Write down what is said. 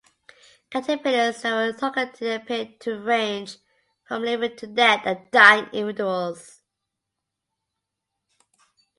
Caterpillars that were targeted appeared to range from living to dead and dying individuals.